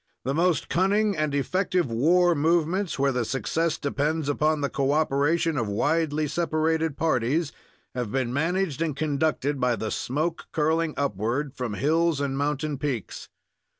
The most cunning and effective war movements, where the success depends upon the cooperation of widely separated parties, have been managed and conducted by the smoke curling upward from hills and mountain peaks.